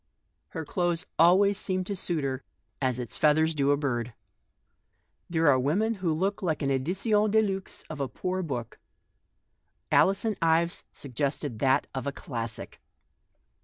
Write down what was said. Her clothes always seemed to suit her as its feathers do a bird. There are women who look like an edition de huve of a poor book; Alison Ives sug gested that of a classic.